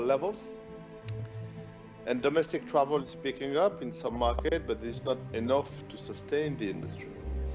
dan perjalanan domestik mencapai beberapa pasar tapi tidak cukup untuk menahan industri